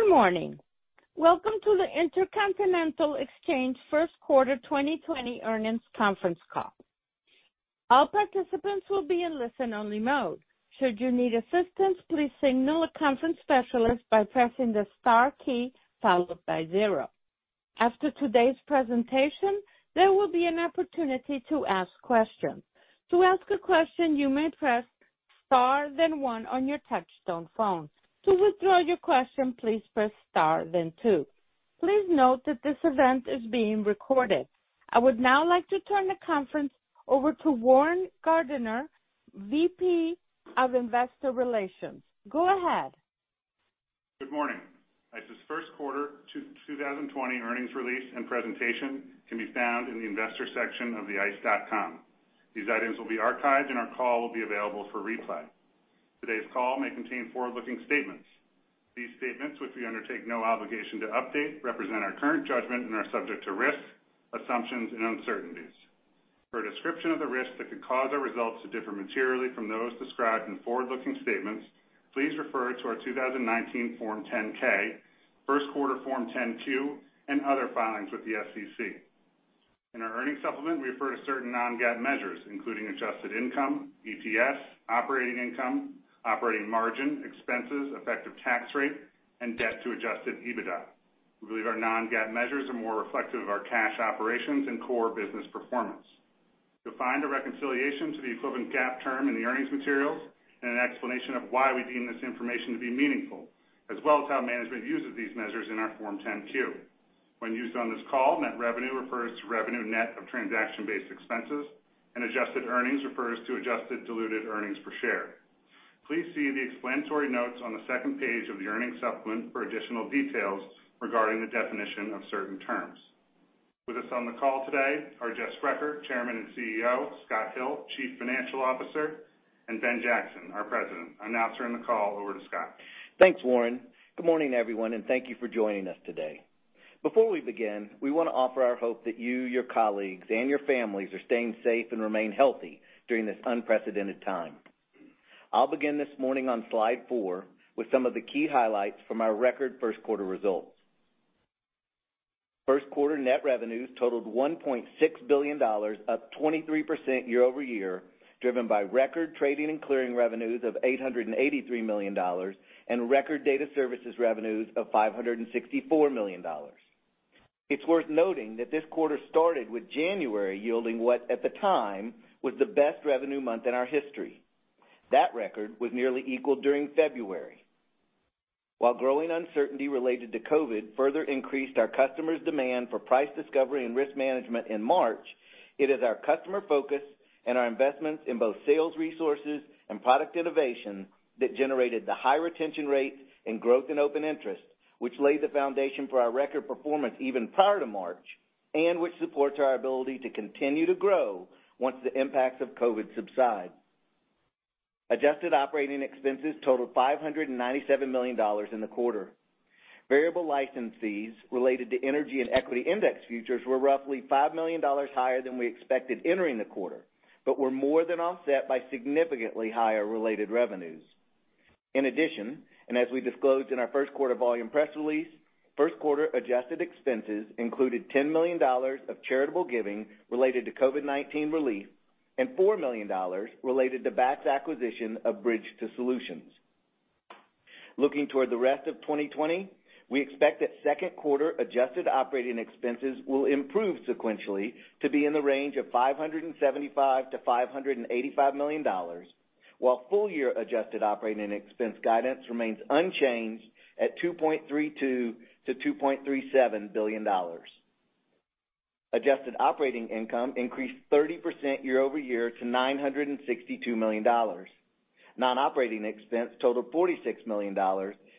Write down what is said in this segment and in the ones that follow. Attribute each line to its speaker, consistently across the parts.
Speaker 1: Good morning. Welcome to the Intercontinental Exchange first quarter 2020 earnings conference call. All participants will be in listen-only mode. Should you need assistance, please signal a conference specialist by pressing the star key followed by zero. After today's presentation, there will be an opportunity to ask questions. To ask a question, you may press star then one on your touch-tone phone. To withdraw your question, please press star then two. Please note that this event is being recorded. I would now like to turn the conference over to Warren Gardiner, VP of Investor Relations. Go ahead.
Speaker 2: Good morning. ICE's first quarter 2020 earnings release and presentation can be found in the Investors section of the ice.com. These items will be archived and our call will be available for replay. Today's call may contain forward-looking statements. These statements, which we undertake no obligation to update, represent our current judgment and are subject to risks, assumptions, and uncertainties. For a description of the risks that could cause our results to differ materially from those described in forward-looking statements, please refer to our 2019 Form 10-K, first quarter Form 10-Q, and other filings with the SEC. In our earnings supplement, we refer to certain non-GAAP measures, including adjusted income, EPS, operating income, operating margin, expenses, effective tax rate, and debt to adjusted EBITDA. We believe our non-GAAP measures are more reflective of our cash operations and core business performance. You'll find a reconciliation to the equivalent GAAP term in the earnings materials and an explanation of why we deem this information to be meaningful, as well as how management uses these measures in our Form 10-Q. When used on this call, net revenue refers to revenue net of transaction-based expenses, and adjusted earnings refers to adjusted diluted earnings per share. Please see the explanatory notes on the second page of the earnings supplement for additional details regarding the definition of certain terms. With us on the call today are Jeff Sprecher, Chairman and CEO, Scott Hill, Chief Financial Officer, and Ben Jackson, our President. I'll now turn the call over to Scott.
Speaker 3: Thanks, Warren. Good morning, everyone, and thank you for joining us today. Before we begin, we want to offer our hope that you, your colleagues, and your families are staying safe and remain healthy during this unprecedented time. I'll begin this morning on slide four with some of the key highlights from our record first quarter results. First quarter net revenues totaled $1.6 billion, up 23% year-over-year, driven by record trading and clearing revenues of $883 million and record data services revenues of $564 million. It's worth noting that this quarter started with January yielding what, at the time, was the best revenue month in our history. That record was nearly equal during February. While growing uncertainty related to COVID further increased our customers' demand for price discovery and risk management in March, it is our customer focus and our investments in both sales resources and product innovation that generated the high retention rates and growth in open interest, which laid the foundation for our record performance even prior to March, and which supports our ability to continue to grow once the impacts of COVID subside. Adjusted operating expenses totaled $597 million in the quarter. Variable license fees related to energy and equity index futures were roughly $5 million higher than we expected entering the quarter, but were more than offset by significantly higher related revenues. In addition, and as we disclosed in our first quarter volume press release, first quarter adjusted expenses included $10 million of charitable giving related to COVID-19 relief and $4 million related to Bakkt acquisition of Bridge2 Solutions. Looking toward the rest of 2020, we expect that second quarter adjusted operating expenses will improve sequentially to be in the range of $575 million-$585 million, while full-year adjusted operating expense guidance remains unchanged at $2.32 billion-$2.37 billion. Adjusted operating income increased 30% year-over-year to $962 million. Non-operating expense totaled $46 million,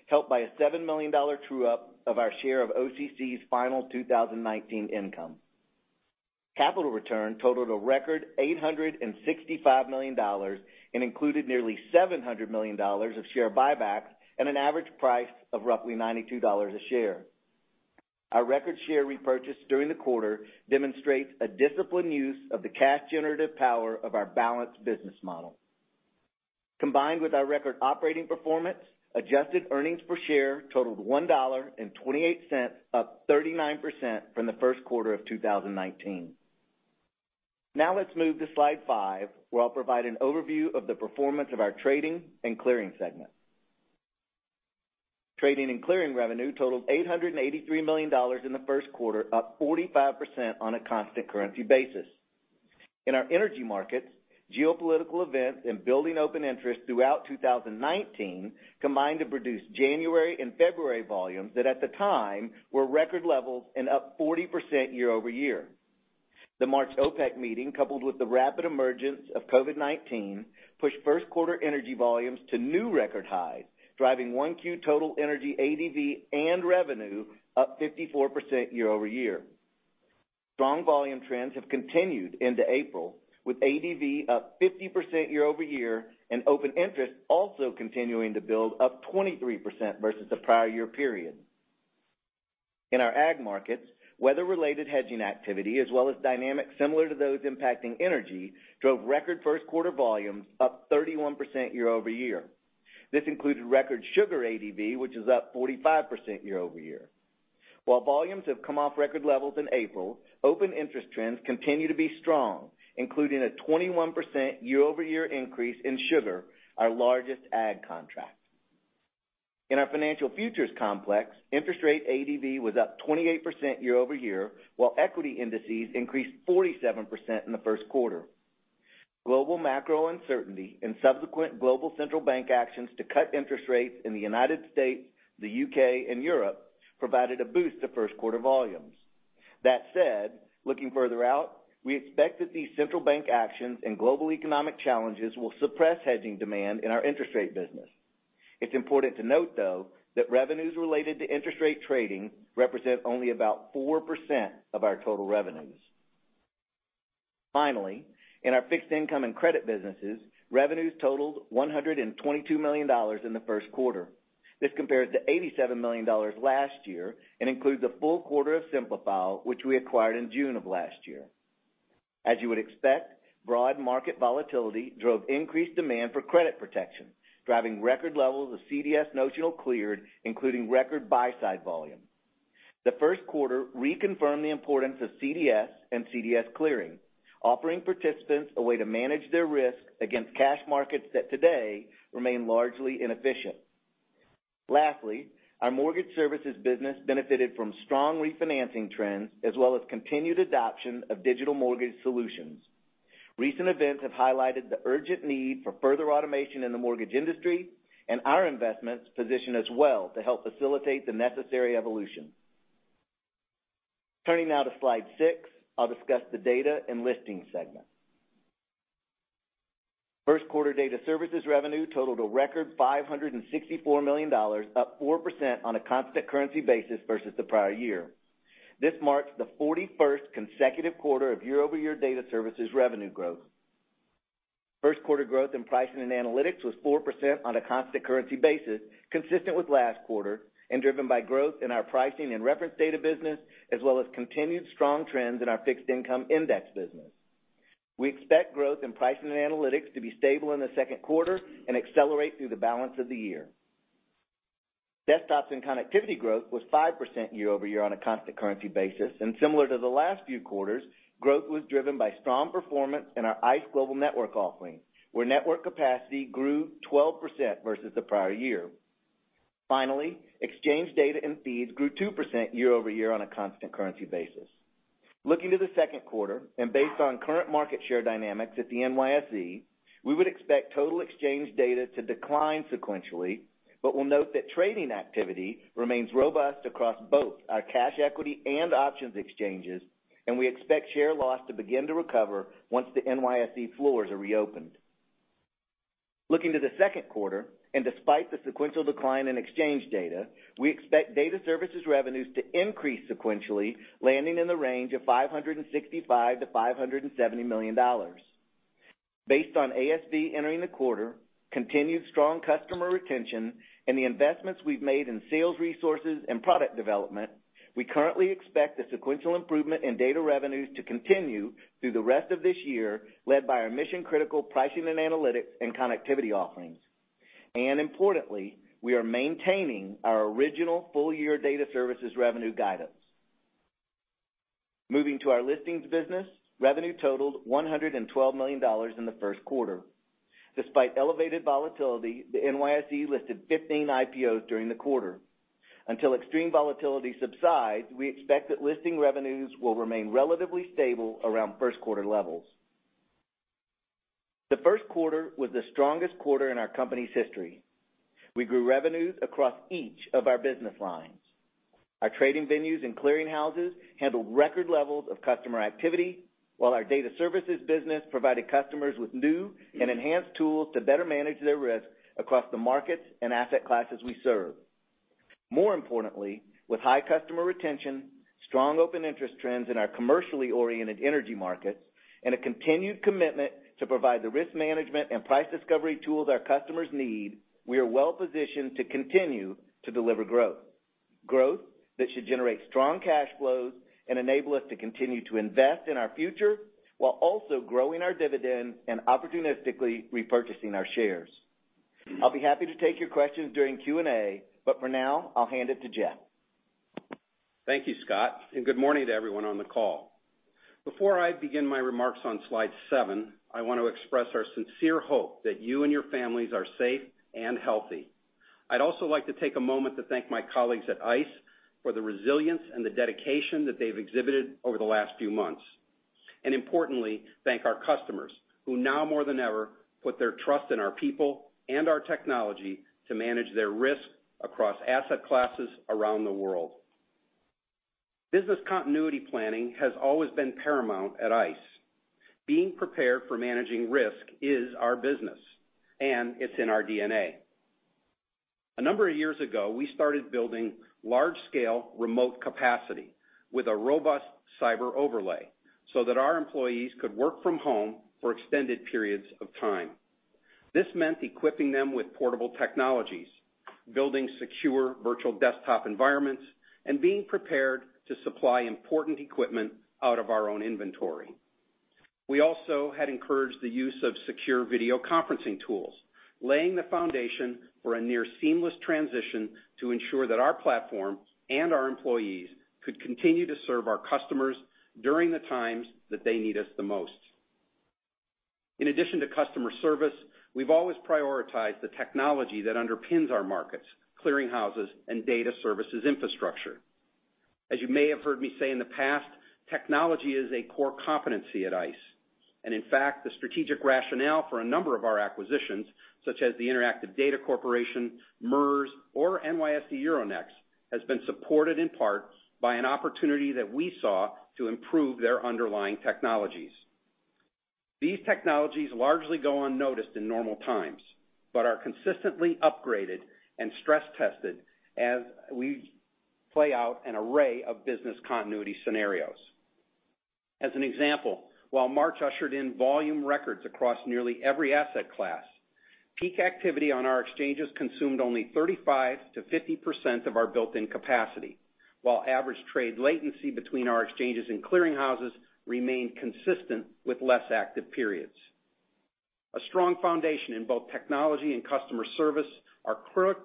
Speaker 3: helped by a $7 million true-up of our share of OCC's final 2019 income. Capital return totaled a record $865 million and included nearly $700 million of share buybacks at an average price of roughly $92 a share. Our record share repurchase during the quarter demonstrates a disciplined use of the cash generative power of our balanced business model. Combined with our record operating performance, adjusted earnings per share totaled $1.28, up 39% from the first quarter of 2019. Now let's move to slide five, where I'll provide an overview of the performance of our trading and clearing segment. Trading and clearing revenue totaled $883 million in the first quarter, up 45% on a constant currency basis. In our energy markets, geopolitical events and building open interest throughout 2019 combined to produce January and February volumes that at the time were record levels and up 40% year-over-year. The March OPEC meeting, coupled with the rapid emergence of COVID-19, pushed first quarter energy volumes to new record highs, driving 1Q total energy ADV and revenue up 54% year-over-year. Strong volume trends have continued into April, with ADV up 50% year-over-year and open interest also continuing to build up 23% versus the prior year period. In our ag markets, weather-related hedging activity, as well as dynamics similar to those impacting energy, drove record first quarter volumes up 31% year-over-year. This included record sugar ADV, which is up 45% year-over-year. While volumes have come off record levels in April, open interest trends continue to be strong, including a 21% year-over-year increase in sugar, our largest ag contract. In our financial futures complex, interest rate ADV was up 28% year-over-year, while equity indices increased 47% in the first quarter. Global macro uncertainty and subsequent global central bank actions to cut interest rates in the United States, the U.K., and Europe, provided a boost to first quarter volumes. That said, looking further out, we expect that these central bank actions and global economic challenges will suppress hedging demand in our interest rate business. It's important to note, though, that revenues related to interest rate trading represent only about 4% of our total revenues. Finally, in our fixed income and credit businesses, revenues totaled $122 million in the first quarter. This compares to $87 million last year and includes a full quarter of Simplifile, which we acquired in June of last year. As you would expect, broad market volatility drove increased demand for credit protection, driving record levels of CDS notional cleared, including record buy-side volume. The first quarter reconfirmed the importance of CDS and CDS clearing, offering participants a way to manage their risk against cash markets that today remain largely inefficient. Lastly, our mortgage services business benefited from strong refinancing trends as well as continued adoption of digital mortgage solutions. Recent events have highlighted the urgent need for further automation in the mortgage industry, and our investments position us well to help facilitate the necessary evolution. Turning now to slide six, I'll discuss the data and listing segment. First quarter data services revenue totaled a record $564 million, up 4% on a constant currency basis versus the prior year. This marks the 41st consecutive quarter of year-over-year data services revenue growth. First quarter growth in pricing and analytics was 4% on a constant currency basis, consistent with last quarter, and driven by growth in our pricing and reference data business, as well as continued strong trends in our fixed income index business. We expect growth in pricing and analytics to be stable in the second quarter and accelerate through the balance of the year. Desktops and connectivity growth was 5% year-over-year on a constant currency basis. Similar to the last few quarters, growth was driven by strong performance in our ICE Global Network offering, where network capacity grew 12% versus the prior year. Finally, exchange data and feeds grew 2% year-over-year on a constant currency basis. Looking to the second quarter, and based on current market share dynamics at the NYSE, we would expect total exchange data to decline sequentially, but we'll note that trading activity remains robust across both our cash equity and options exchanges, and we expect share loss to begin to recover once the NYSE floors are reopened. Looking to the second quarter, despite the sequential decline in exchange data, we expect data services revenues to increase sequentially, landing in the range of $565 million-$570 million. Based on ASV entering the quarter, continued strong customer retention, and the investments we've made in sales resources and product development, we currently expect the sequential improvement in Data revenues to continue through the rest of this year, led by our mission-critical pricing and analytics and connectivity offerings. Importantly, we are maintaining our original full-year data services revenue guidance. Moving to our listings business, revenue totaled $112 million in the first quarter. Despite elevated volatility, the NYSE listed 15 IPOs during the quarter. Until extreme volatility subsides, we expect that listing revenues will remain relatively stable around first quarter levels. The first quarter was the strongest quarter in our company's history. We grew revenues across each of our business lines. Our trading venues and clearing houses handled record levels of customer activity, while our data services business provided customers with new and enhanced tools to better manage their risk across the markets and asset classes we serve. More importantly, with high customer retention, strong open interest trends in our commercially oriented energy markets, and a continued commitment to provide the risk management and price discovery tools our customers need, we are well positioned to continue to deliver growth. Growth that should generate strong cash flows and enable us to continue to invest in our future while also growing our dividend and opportunistically repurchasing our shares. I'll be happy to take your questions during Q&A, but for now, I'll hand it to Jeff.
Speaker 4: Thank you, Scott. Good morning to everyone on the call. Before I begin my remarks on slide seven, I want to express our sincere hope that you and your families are safe and healthy. I'd also like to take a moment to thank my colleagues at ICE for the resilience and the dedication that they've exhibited over the last few months. Importantly, thank our customers, who now more than ever put their trust in our people and our technology to manage their risk across asset classes around the world. Business continuity planning has always been paramount at ICE. Being prepared for managing risk is our business, and it's in our DNA. A number of years ago, we started building large-scale remote capacity with a robust cyber overlay so that our employees could work from home for extended periods of time. This meant equipping them with portable technologies, building secure virtual desktop environments, and being prepared to supply important equipment out of our own inventory. We also had encouraged the use of secure video conferencing tools, laying the foundation for a near seamless transition to ensure that our platform and our employees could continue to serve our customers during the times that they need us the most. In addition to customer service, we've always prioritized the technology that underpins our markets, clearing houses, and data services infrastructure. As you may have heard me say in the past, technology is a core competency at ICE. In fact, the strategic rationale for a number of our acquisitions, such as the Interactive Data Corporation, MERS, or NYSE Euronext, has been supported in part by an opportunity that we saw to improve their underlying technologies. These technologies largely go unnoticed in normal times, but are consistently upgraded and stress-tested as we play out an array of business continuity scenarios. As an example, while March ushered in volume records across nearly every asset class, peak activity on our exchanges consumed only 35%-50% of our built-in capacity, while average trade latency between our exchanges and clearing houses remained consistent with less active periods. A strong foundation in both technology and customer service are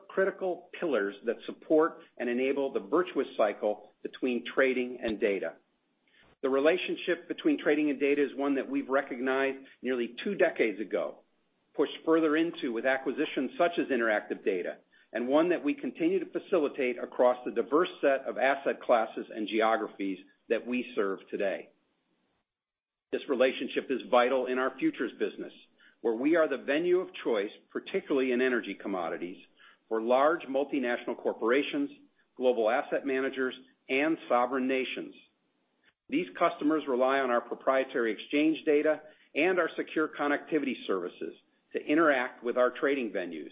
Speaker 4: critical pillars that support and enable the virtuous cycle between trading and data. The relationship between trading and data is one that we've recognized nearly two decades ago, pushed further into with acquisitions such as Interactive Data, and one that we continue to facilitate across the diverse set of asset classes and geographies that we serve today. This relationship is vital in our futures business, where we are the venue of choice, particularly in energy commodities, for large multinational corporations, global asset managers, and sovereign nations. These customers rely on our proprietary exchange data and our secure connectivity services to interact with our trading venues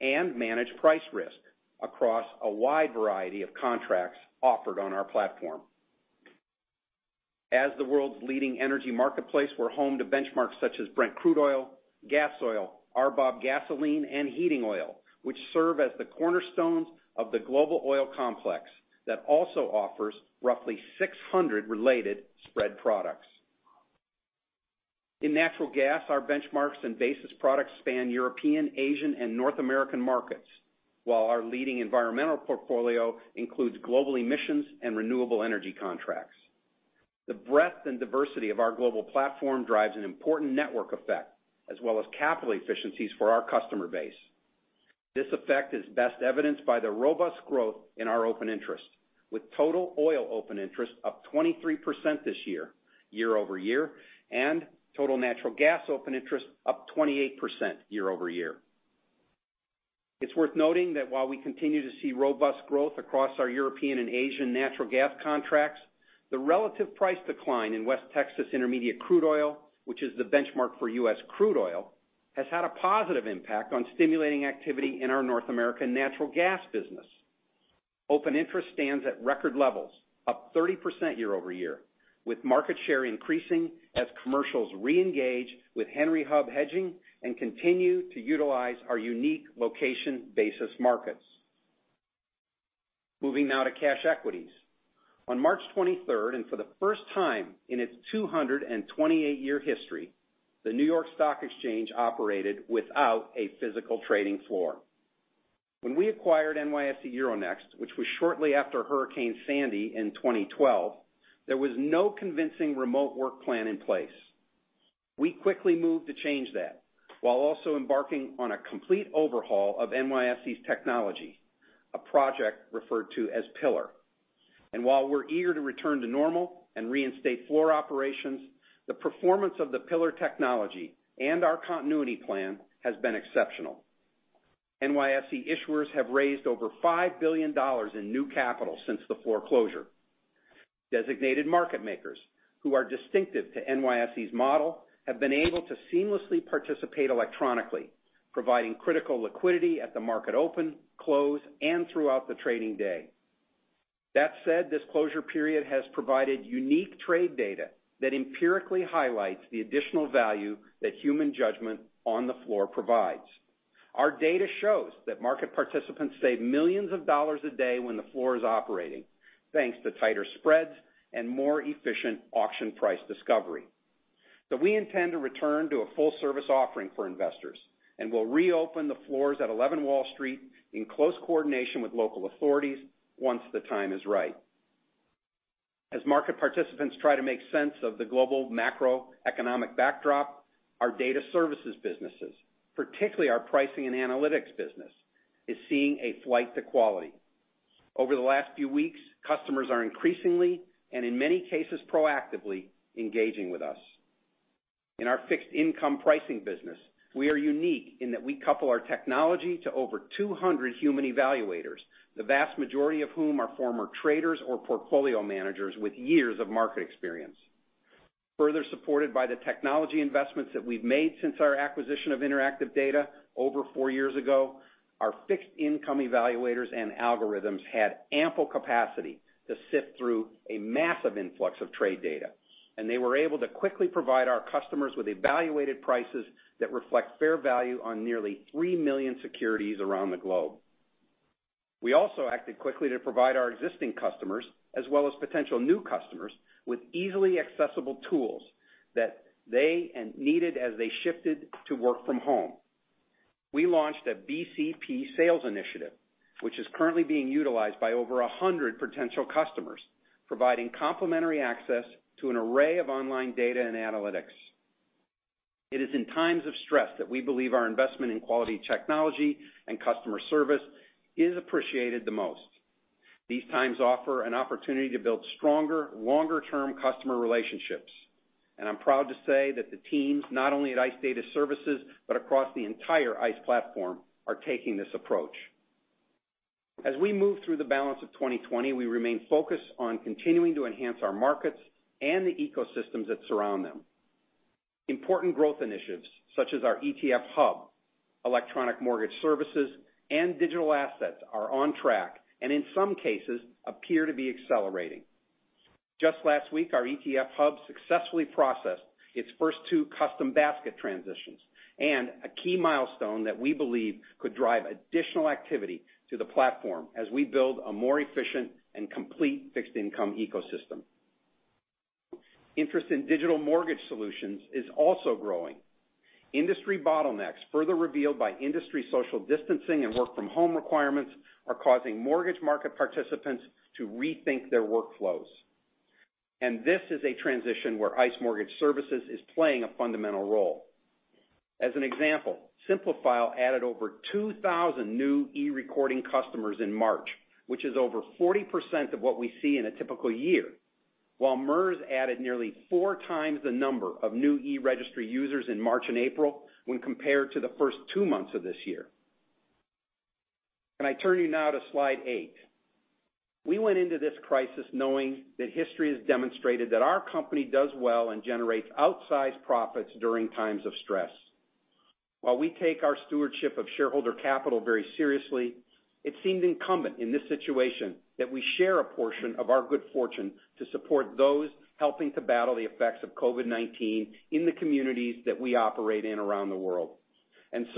Speaker 4: and manage price risk across a wide variety of contracts offered on our platform. As the world's leading energy marketplace, we're home to benchmarks such as Brent Crude Oil, Gasoil, RBOB Gasoline, and Heating Oil, which serve as the cornerstones of the global oil complex that also offers roughly 600 related spread products. In natural gas, our benchmarks and basis products span European, Asian, and North American markets, while our leading environmental portfolio includes global emissions and renewable energy contracts. The breadth and diversity of our global platform drives an important network effect, as well as capital efficiencies for our customer base. This effect is best evidenced by the robust growth in our open interest, with total oil open interest up 23% this year-over-year, and total natural gas open interest up 28% year-over-year. It's worth noting that while we continue to see robust growth across our European and Asian natural gas contracts, the relative price decline in West Texas Intermediate crude oil, which is the benchmark for U.S. crude oil, has had a positive impact on stimulating activity in our North American natural gas business. Open interest stands at record levels, up 33% year-over-year, with market share increasing as commercials reengage with Henry Hub hedging and continue to utilize our unique location basis markets. Moving now to cash equities. On March 23rd, for the first time in its 228-year history, the New York Stock Exchange operated without a physical trading floor. When we acquired NYSE Euronext, which was shortly after Hurricane Sandy in 2012, there was no convincing remote work plan in place. We quickly moved to change that while also embarking on a complete overhaul of NYSE's technology, a project referred to as Pillar. While we're eager to return to normal and reinstate floor operations, the performance of the Pillar technology and our continuity plan has been exceptional. NYSE issuers have raised over $5 billion in new capital since the floor closure. Designated market makers who are distinctive to NYSE's model have been able to seamlessly participate electronically, providing critical liquidity at the market open, close, and throughout the trading day. That said, this closure period has provided unique trade data that empirically highlights the additional value that human judgment on the floor provides. Our data shows that market participants save millions of dollars a day when the floor is operating, thanks to tighter spreads and more efficient auction price discovery. We intend to return to a full-service offering for investors and will reopen the floors at 11 Wall Street in close coordination with local authorities once the time is right. As market participants try to make sense of the global macroeconomic backdrop, our data services businesses, particularly our pricing and analytics business, is seeing a flight to quality. Over the last few weeks, customers are increasingly, and in many cases, proactively engaging with us. In our fixed income pricing business, we are unique in that we couple our technology to over 200 human evaluators, the vast majority of whom are former traders or portfolio managers with years of market experience. Further supported by the technology investments that we've made since our acquisition of Interactive Data over four years ago, our fixed income evaluators and algorithms had ample capacity to sift through a massive influx of trade data. They were able to quickly provide our customers with evaluated prices that reflect fair value on nearly three million securities around the globe. We also acted quickly to provide our existing customers, as well as potential new customers, with easily accessible tools that they needed as they shifted to work from home. We launched a BCP sales initiative, which is currently being utilized by over 100 potential customers, providing complimentary access to an array of online data and analytics. It is in times of stress that we believe our investment in quality technology and customer service is appreciated the most. These times offer an opportunity to build stronger, longer-term customer relationships. I'm proud to say that the teams, not only at ICE data services, but across the entire ICE platform, are taking this approach. As we move through the balance of 2020, we remain focused on continuing to enhance our markets and the ecosystems that surround them. Important growth initiatives, such as our ETF Hub, electronic mortgage services, and digital assets are on track, and in some cases, appear to be accelerating. Just last week, our ICE ETF Hub successfully processed its first two custom basket transitions. A key milestone that we believe could drive additional activity to the platform as we build a more efficient and complete fixed income ecosystem. Interest in digital mortgage solutions is also growing. Industry bottlenecks, further revealed by industry social distancing and work from home requirements, are causing mortgage market participants to rethink their workflows. This is a transition where ICE Mortgage Services is playing a fundamental role. As an example, Simplifile added over 2,000 new e-recording customers in March, which is over 40% of what we see in a typical year. While MERS added nearly four times the number of new e-registry users in March and April, when compared to the first two months of this year. Can I turn you now to slide eight? We went into this crisis knowing that history has demonstrated that our company does well and generates outsized profits during times of stress. While we take our stewardship of shareholder capital very seriously, it seemed incumbent in this situation that we share a portion of our good fortune to support those helping to battle the effects of COVID-19 in the communities that we operate in around the world.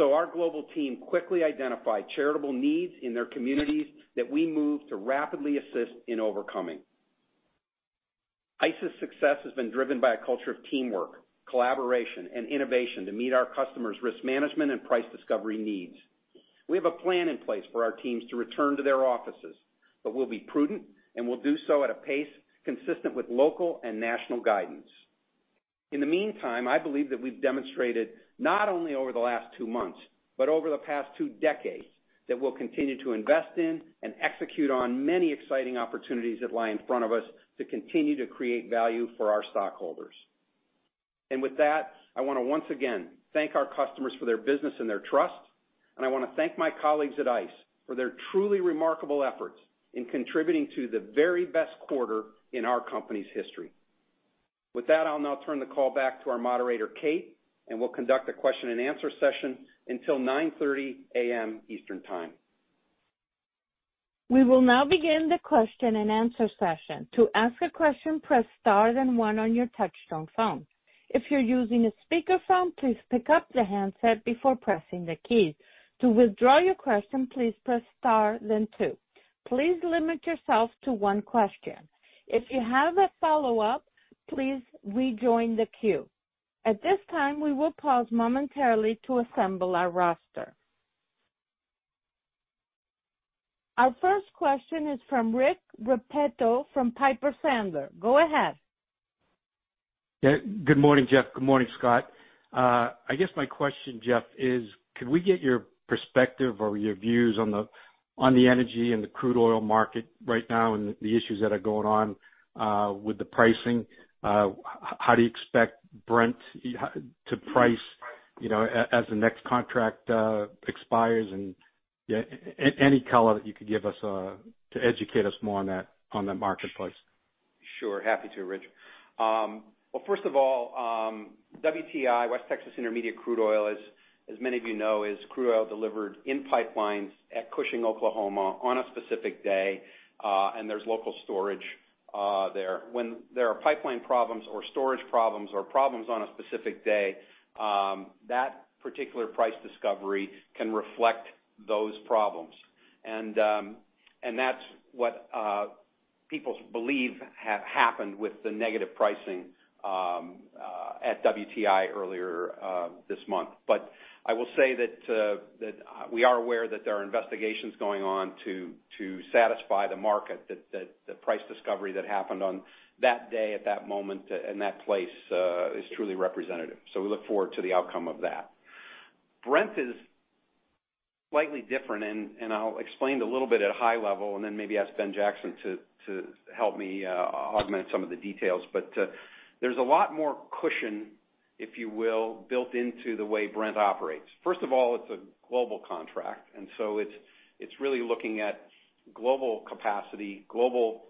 Speaker 4: Our global team quickly identified charitable needs in their communities that we moved to rapidly assist in overcoming. ICE's success has been driven by a culture of teamwork, collaboration, and innovation to meet our customers' risk management and price discovery needs. We have a plan in place for our teams to return to their offices, but we'll be prudent, and we'll do so at a pace consistent with local and national guidance. In the meantime, I believe that we've demonstrated, not only over the last two months, but over the past two decades, that we'll continue to invest in and execute on many exciting opportunities that lie in front of us to continue to create value for our stockholders. With that, I want to once again thank our customers for their business and their trust, and I want to thank my colleagues at ICE for their truly remarkable efforts in contributing to the very best quarter in our company's history. With that, I'll now turn the call back to our moderator, Kate, and we'll conduct a question and answer session until 9:30 A.M. Eastern Time.
Speaker 1: We will now begin the question-and-answer session. To ask a question, press star, then one on your touch-tone phone. If you're using a speakerphone, please pick up the handset before pressing the key. To withdraw your question, please press star, then two. Please limit yourself to one question. If you have a follow-up, please rejoin the queue. At this time, we will pause momentarily to assemble our roster. Our first question is from Rich Repetto from Piper Sandler. Go ahead.
Speaker 5: Good morning, Jeff. Good morning, Scott. I guess my question, Jeff, is could we get your perspective or your views on the energy and the crude oil market right now and the issues that are going on with the pricing? How do you expect Brent to price as the next contract expires? Any color that you could give us to educate us more on that marketplace.
Speaker 4: Sure. Happy to, Rich. Well, first of all, WTI, West Texas Intermediate crude oil, as many of you know, is crude oil delivered in pipelines at Cushing, Oklahoma on a specific day, and there's local storage there. When there are pipeline problems or storage problems or problems on a specific day, that particular price discovery can reflect those problems. That's what people believe have happened with the negative pricing at WTI earlier this month. I will say that we are aware that there are investigations going on to satisfy the market that the price discovery that happened on that day, at that moment, and that place is truly representative. We look forward to the outcome of that. Brent is slightly different, and I'll explain a little bit at a high level, and then maybe ask Ben Jackson to help me augment some of the details. There's a lot more cushion, if you will, built into the way Brent operates. First of all, it's a global contract, and so it's really looking at global capacity, global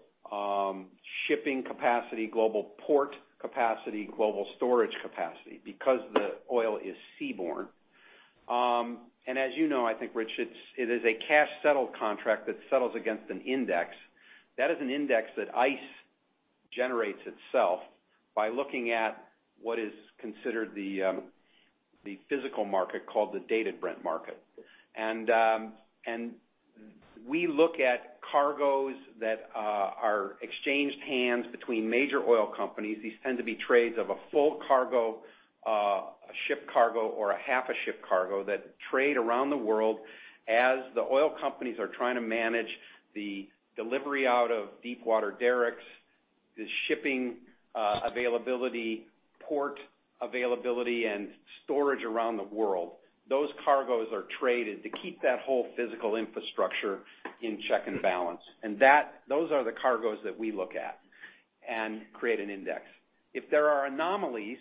Speaker 4: shipping capacity, global port capacity, global storage capacity because the oil is seaborne. As you know, I think, Rich, it is a cash settle contract that settles against an index. That is an index that ICE generates itself by looking at what is considered the physical market, called the Dated Brent market. We look at cargoes that are exchanged hands between major oil companies. These tend to be trades of a full cargo, a ship cargo, or a half a ship cargo that trade around the world as the oil companies are trying to manage the delivery out of deep water derricks, the shipping availability, port availability, and storage around the world. Those cargoes are traded to keep that whole physical infrastructure in check and balance. Those are the cargoes that we look at and create an index. If there are anomalies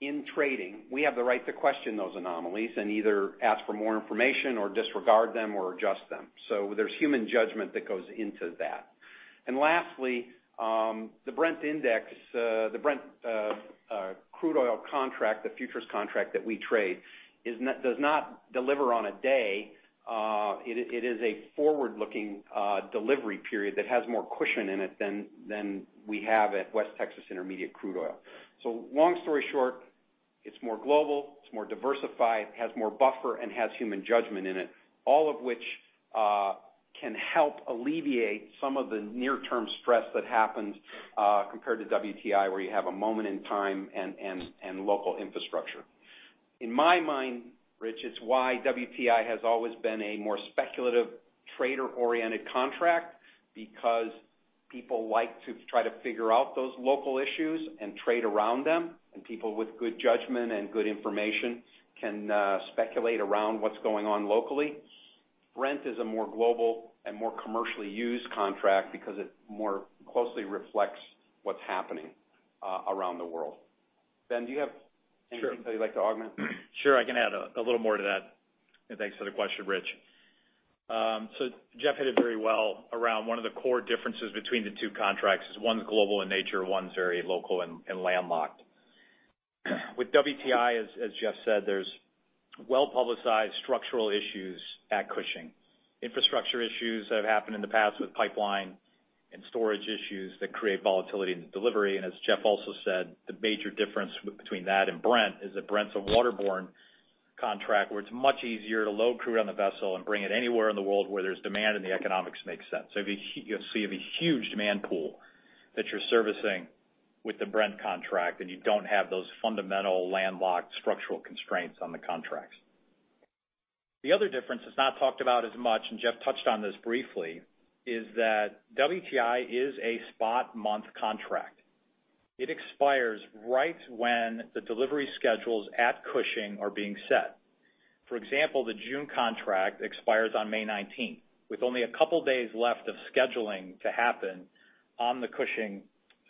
Speaker 4: in trading, we have the right to question those anomalies and either ask for more information or disregard them or adjust them. There's human judgment that goes into that. Lastly, the Brent index, the Brent crude oil contract, the futures contract that we trade, does not deliver on a day. It is a forward-looking delivery period that has more cushion in it than we have at West Texas Intermediate crude oil. Long story short, it's more global, it's more diversified, it has more buffer, and has human judgment in it. All of which can help alleviate some of the near-term stress that happens compared to WTI, where you have a moment in time and local infrastructure. In my mind, Rich, it's why WTI has always been a more speculative trader-oriented contract, because people like to try to figure out those local issues and trade around them, and people with good judgment and good information can speculate around what's going on locally. Brent is a more global and more commercially used contract because it more closely reflects what's happening around the world. Ben, do you have anything that you'd like to augment?
Speaker 6: Sure. I can add a little more to that. Thanks for the question, Rich. Jeff hit it very well around one of the core differences between the two contracts is one's global in nature, one's very local and landlocked. With WTI, as Jeff said, there's well-publicized structural issues at Cushing. Infrastructure issues that have happened in the past with pipeline and storage issues that create volatility in the delivery. As Jeff also said, the major difference between that and Brent is that Brent's a waterborne contract where it's much easier to load crude on the vessel and bring it anywhere in the world where there's demand and the economics make sense. You'll see a huge demand pool that you're servicing with the Brent contract, and you don't have those fundamental landlocked structural constraints on the contracts. The other difference that's not talked about as much, Jeff touched on this briefly, is that WTI is a spot-month contract. It expires right when the delivery schedules at Cushing are being set. For example, the June contract expires on May 19th, with only a couple days left of scheduling to happen on the Cushing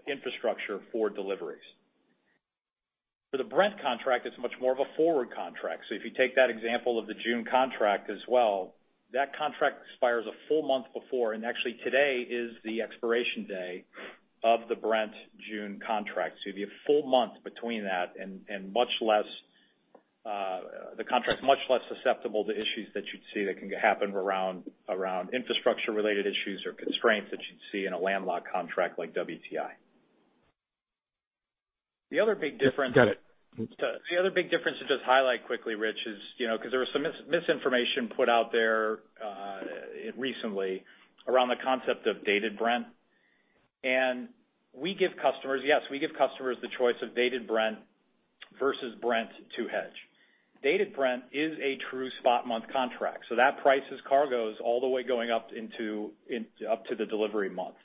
Speaker 6: infrastructure for deliveries. For the Brent contract, it's much more of a forward contract. If you take that example of the June contract as well, that contract expires a full month before, and actually today is the expiration day of the Brent June contract. You have a full month between that and the contract's much less susceptible to issues that you'd see that can happen around infrastructure-related issues or constraints that you'd see in a landlocked contract like WTI.
Speaker 5: Got it.
Speaker 6: The other big difference to just highlight quickly, Rich, is because there was some misinformation put out there recently around the concept of Dated Brent. Yes, we give customers the choice of Dated Brent versus Brent to hedge. Dated Brent is a true spot-month contract, that prices cargoes all the way going up to the delivery month.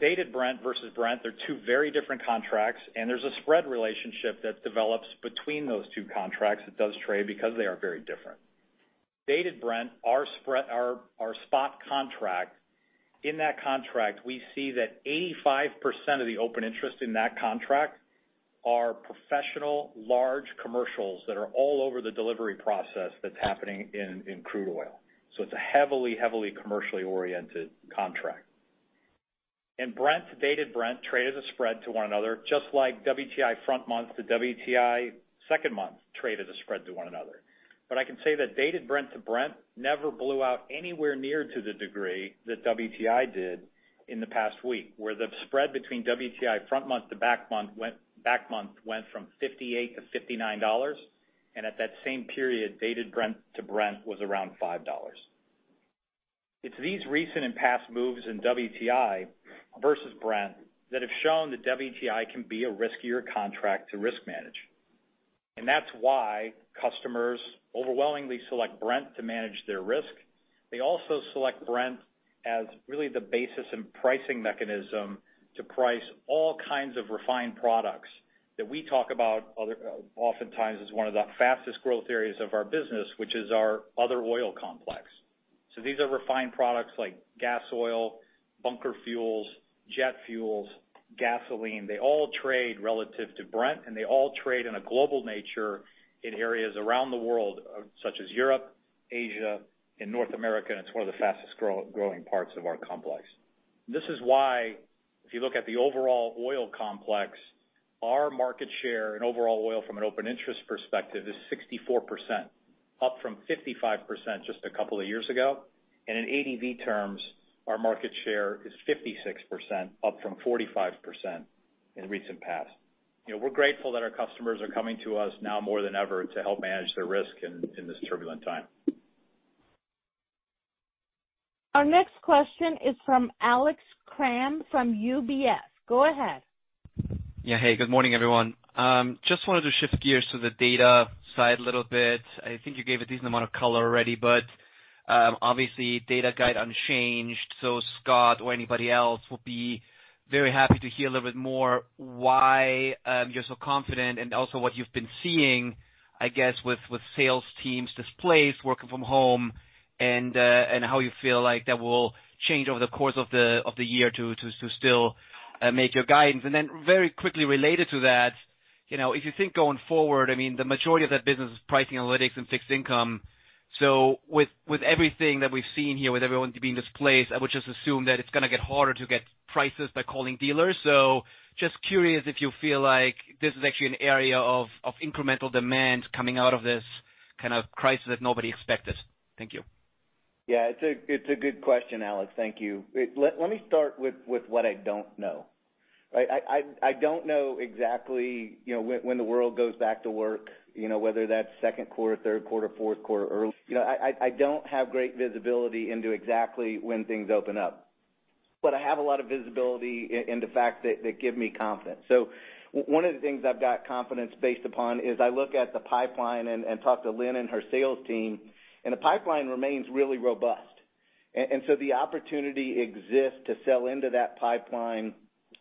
Speaker 6: Dated Brent versus Brent, they're two very different contracts, and there's a spread relationship that develops between those two contracts that does trade because they are very different. Dated Brent, our spot contract, in that contract, we see that 85% of the open interest in that contract are professional, large commercials that are all over the delivery process that's happening in crude oil. It's a heavily commercially-oriented contract. Brent to Dated Brent trade as a spread to one another, just like WTI front month to WTI second month trade as a spread to one another. I can say that Dated Brent to Brent never blew out anywhere near to the degree that WTI did in the past week, where the spread between WTI front month to back month went from $58-$59. At that same period, Dated Brent to Brent was around $5. It's these recent and past moves in WTI versus Brent that have shown that WTI can be a riskier contract to risk manage. That's why customers overwhelmingly select Brent to manage their risk. They also select Brent as really the basis in pricing mechanism to price all kinds of refined products that we talk about oftentimes as one of the fastest growth areas of our business, which is our other oil complex. These are refined products like Gasoil, bunker fuels, jet fuels, gasoline. They all trade relative to Brent, and they all trade in a global nature in areas around the world. Such as Europe, Asia, and North America, and it's one of the fastest-growing parts of our complex. This is why if you look at the overall oil complex, our market share in overall oil from an open interest perspective is 64%, up from 55% just a couple of years ago. In ADV terms, our market share is 56%, up from 45% in recent past. We're grateful that our customers are coming to us now more than ever to help manage their risk in this turbulent time.
Speaker 1: Our next question is from Alex Kramm from UBS. Go ahead.
Speaker 7: Yeah. Hey, good morning, everyone. Just wanted to shift gears to the data side a little bit. I think you gave a decent amount of color already, but obviously, data guide unchanged, so Scott or anybody else, we'll be very happy to hear a little bit more why you're so confident and also what you've been seeing, I guess, with sales teams displaced, working from home, and how you feel like that will change over the course of the year to still make your guidance? Then very quickly related to that, if you think going forward, the majority of that business is pricing analytics and fixed income. With everything that we've seen here, with everyone being displaced, I would just assume that it's going to get harder to get prices by calling dealers. Just curious if you feel like this is actually an area of incremental demand coming out of this kind of crisis that nobody expected. Thank you.
Speaker 3: Yeah. It's a good question, Alex. Thank you. Let me start with what I don't know. I don't know exactly when the world goes back to work, whether that's second quarter, third quarter, fourth quarter, early. I don't have great visibility into exactly when things open up. I have a lot of visibility in the fact that give me confidence. One of the things I've got confidence based upon is I look at the pipeline and talk to Lynn and her sales team, and the pipeline remains really robust. The opportunity exists to sell into that pipeline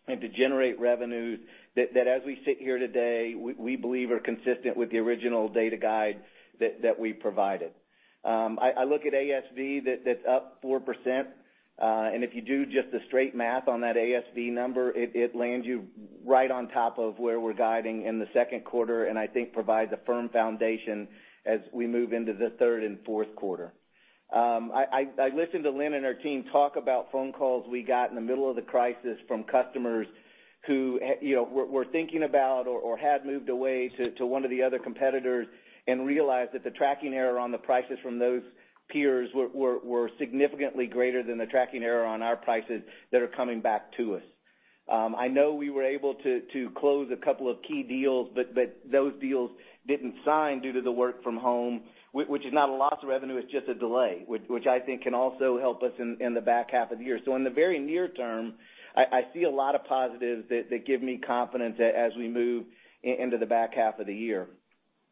Speaker 3: and to generate revenues that as we sit here today, we believe are consistent with the original data guide that we provided. I look at ASV, that's up 4%, and if you do just the straight math on that ASV number, it lands you right on top of where we're guiding in the second quarter, and I think provides a firm foundation as we move into the third and fourth quarter. I listened to Lynn and her team talk about phone calls we got in the middle of the crisis from customers who were thinking about or had moved away to one of the other competitors and realized that the tracking error on the prices from those peers were significantly greater than the tracking error on our prices that are coming back to us. I know we were able to close a couple of key deals, but those deals didn't sign due to the work from home, which is not a loss of revenue, it's just a delay, which I think can also help us in the back half of the year. In the very near term, I see a lot of positives that give me confidence as we move into the back half of the year.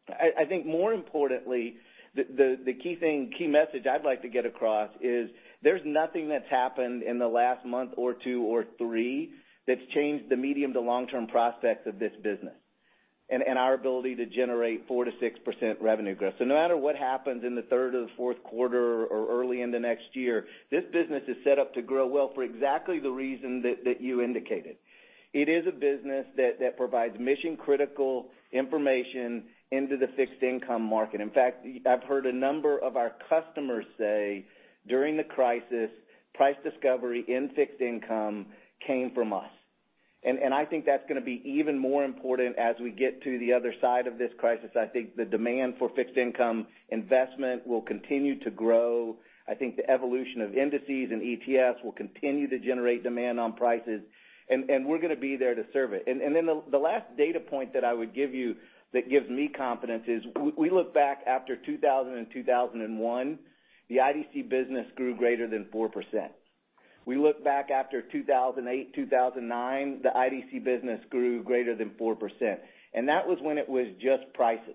Speaker 3: I think more importantly, the key message I'd like to get across is there's nothing that's happened in the last month or two or three that's changed the medium to long-term prospects of this business and our ability to generate 4%-6% revenue growth. No matter what happens in the third or the fourth quarter or early in the next year, this business is set up to grow well for exactly the reason that you indicated. It is a business that provides mission-critical information into the fixed income market. In fact, I've heard a number of our customers say during the crisis, price discovery in fixed income came from us. I think that's going to be even more important as we get to the other side of this crisis. I think the demand for fixed income investment will continue to grow. I think the evolution of indices and ETFs will continue to generate demand on prices, and we're going to be there to serve it. The last data point that I would give you that gives me confidence is we look back after 2000 and 2001, the IDC business grew greater than 4%. We look back after 2008, 2009, the IDC business grew greater than 4%. That was when it was just prices.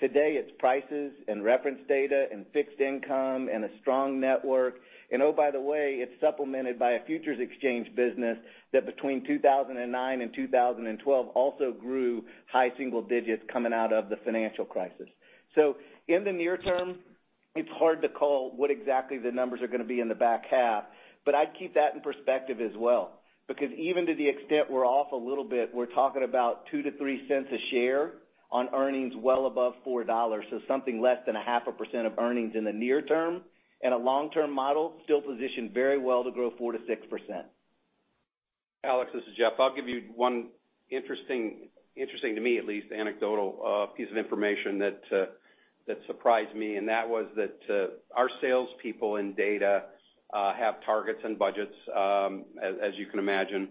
Speaker 3: Today, it's prices and reference data and fixed income and a strong network. Oh, by the way, it's supplemented by a futures exchange business that between 2009 and 2012 also grew high single digits coming out of the financial crisis. In the near term, it's hard to call what exactly the numbers are going to be in the back half, but I'd keep that in perspective as well. Because even to the extent we're off a little bit, we're talking about $0.02-$0.03 a share on earnings well above $4. Something less than 0.5% of earnings in the near term, and a long-term model still positioned very well to grow 4% to 6%.
Speaker 4: Alex, this is Jeff. I'll give you one interesting to me at least, anecdotal piece of information that surprised me, and that was that our salespeople in data have targets and budgets, as you can imagine.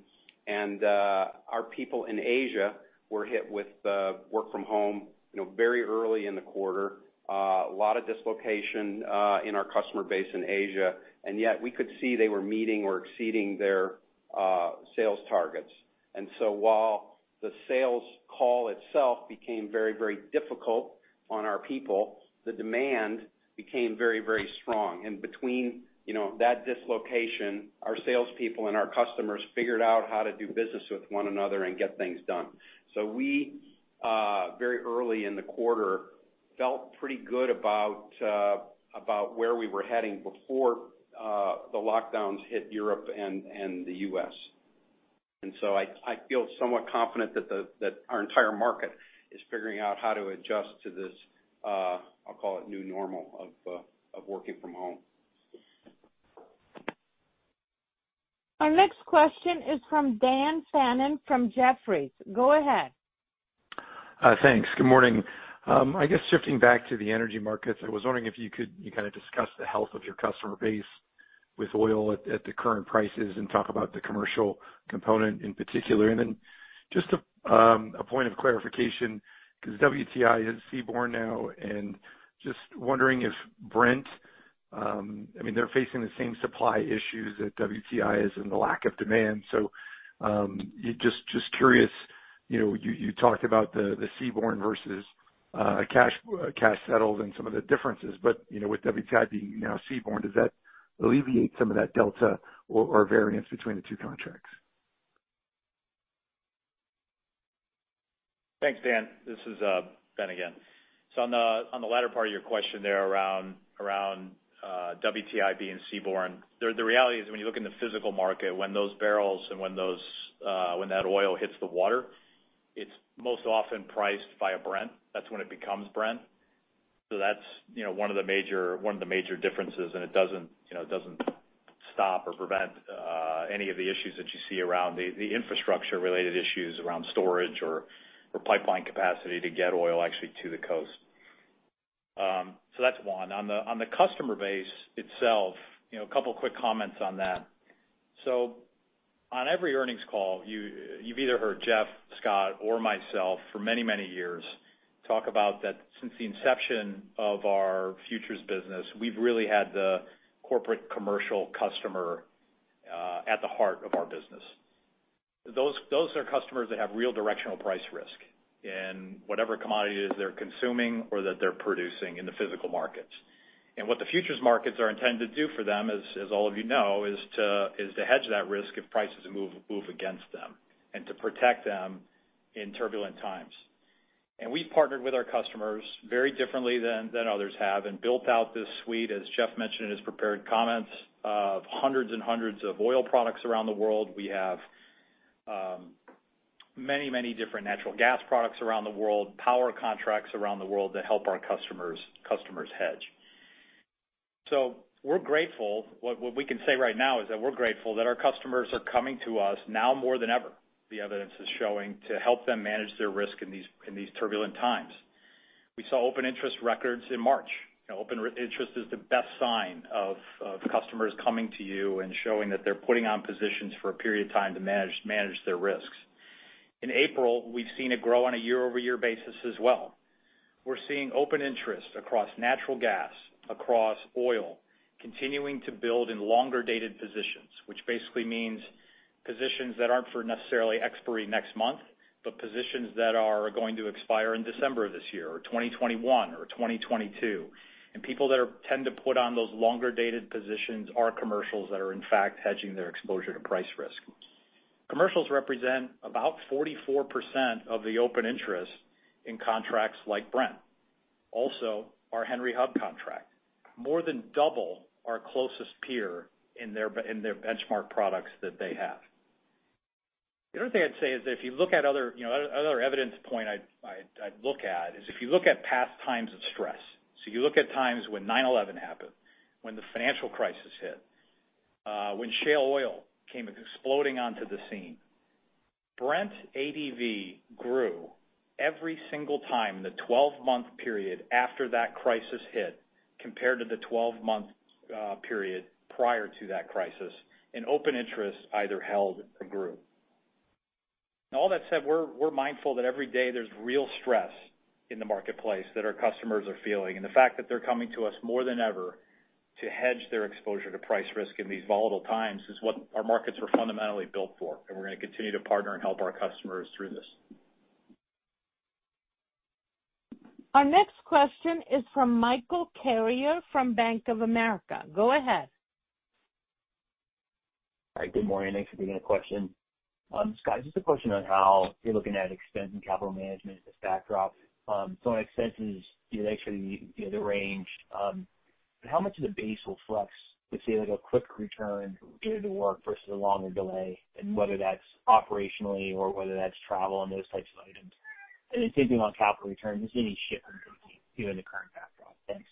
Speaker 4: Our people in Asia were hit with work from home very early in the quarter. A lot of dislocation in our customer base in Asia, yet we could see they were meeting or exceeding their sales targets. While the sales call itself became very difficult on our people, the demand became very strong. Between that dislocation, our salespeople and our customers figured out how to do business with one another and get things done. We, very early in the quarter, felt pretty good about where we were heading before the lockdowns hit Europe and the U.S. I feel somewhat confident that our entire market is figuring out how to adjust to this, I'll call it new normal of working from home.
Speaker 1: Our next question is from Dan Fannon from Jefferies. Go ahead.
Speaker 8: Thanks. Good morning. I guess shifting back to the energy markets, I was wondering if you could kind of discuss the health of your customer base with oil at the current prices, and talk about the commercial component in particular. Just a point of clarification, because WTI is seaborne now, and just wondering if Brent they're facing the same supply issues that WTI is and the lack of demand. Just curious, you talked about the seaborne versus cash-settled and some of the differences. With WTI being now seaborne, does that alleviate some of that delta or variance between the two contracts?
Speaker 6: Thanks, Dan. This is Ben again. On the latter part of your question there around WTI being seaborne, the reality is when you look in the physical market, when those barrels and when that oil hits the water, it's most often priced via Brent. That's when it becomes Brent. That's one of the major differences, and it doesn't stop or prevent any of the issues that you see around, the infrastructure-related issues around storage or pipeline capacity to get oil actually to the coast. That's one. On the customer base itself, a couple quick comments on that. On every earnings call, you've either heard Jeff, Scott, or myself for many, many years, talk about that since the inception of our futures business, we've really had the corporate commercial customer at the heart of our business. Those are customers that have real directional price risk in whatever commodity it is they're consuming or that they're producing in the physical markets. What the futures markets are intended to do for them, as all of you know, is to hedge that risk if prices move against them and to protect them in turbulent times. We've partnered with our customers very differently than others have and built out this suite, as Jeff mentioned in his prepared comments, of hundreds and hundreds of oil products around the world. We have many different natural gas products around the world, power contracts around the world that help our customers hedge. What we can say right now is that we're grateful that our customers are coming to us now more than ever, the evidence is showing, to help them manage their risk in these turbulent times. We saw open interest records in March. Open interest is the best sign of customers coming to you and showing that they're putting on positions for a period of time to manage their risks. In April, we've seen it grow on a year-over-year basis as well. We're seeing open interest across natural gas, across oil, continuing to build in longer-dated positions, which basically means positions that aren't for necessarily expiry next month, but positions that are going to expire in December of this year, or 2021 or 2022. People that tend to put on those longer-dated positions are commercials that are, in fact, hedging their exposure to price risk. Commercials represent about 44% of the open interest in contracts like Brent. Also, our Henry Hub contract. More than double our closest peer in their benchmark products that they have. The other thing I'd say is that if you look at other evidence point I'd look at, is if you look at past times of stress. You look at times when 9/11 happened, when the financial crisis hit, when shale oil came exploding onto the scene. Brent ADV grew every single time in the 12-month period after that crisis hit, compared to the 12-month period prior to that crisis, and open interest either held or grew. All that said, we're mindful that every day there's real stress in the marketplace that our customers are feeling, and the fact that they're coming to us more than ever to hedge their exposure to price risk in these volatile times is what our markets were fundamentally built for, and we're going to continue to partner and help our customers through this.
Speaker 1: Our next question is from Michael Carrier from Bank of America. Go ahead.
Speaker 9: All right. Good morning. Thanks for taking the question. Scott, just a question on how you're looking at expense and capital management as a backdrop. on expense is, you actually, the range, how much of the base will flex to see a quick return due to work versus a longer delay, and whether that's operationally or whether that's travel and those types of items? same thing on capital return, just any shift you're seeing given the current backdrop? Thanks.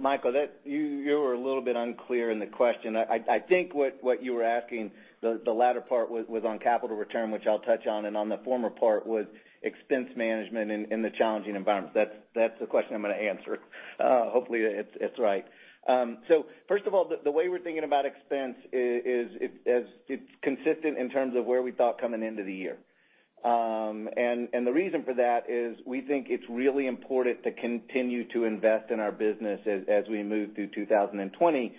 Speaker 3: Michael, you were a little bit unclear in the question. I think what you were asking, the latter part was on capital return, which I'll touch on, and on the former part was expense management in the challenging environment. That's the question I'm going to answer. Hopefully, it's right. First of all, the way we're thinking about expense is it's consistent in terms of where we thought coming into the year. The reason for that is we think it's really important to continue to invest in our business as we move through 2020.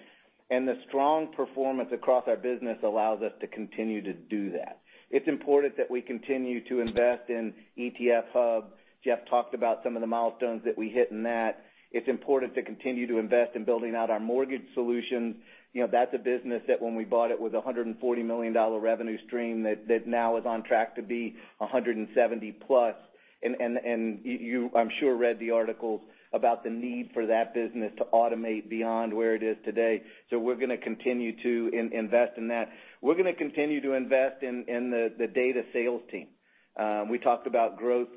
Speaker 3: The strong performance across our business allows us to continue to do that. It's important that we continue to invest in ETF Hub. Jeff talked about some of the milestones that we hit in that. It's important to continue to invest in building out our mortgage solutions. That's a business that when we bought it was $140 million revenue stream that now is on track to be $170+ million. You, I'm sure, read the articles about the need for that business to automate beyond where it is today. We're going to continue to invest in that. We're going to continue to invest in the data sales team. We talked about growth